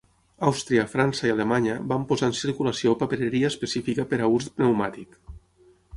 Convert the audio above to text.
Àustria, França, i Alemanya van posar en circulació papereria específica per a ús pneumàtic.